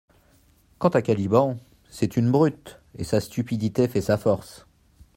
Quant à Caliban, c'est une brute, et sa stupidité fait sa force.